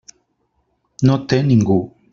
No té ningú.